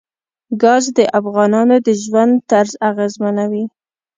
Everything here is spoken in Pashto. ګاز د افغانانو د ژوند طرز اغېزمنوي.